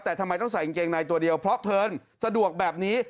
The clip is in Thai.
แต่ทำไมต้องใส่กางเกงในตัวเดียวเพราะเพลินสะดวกแบบนี้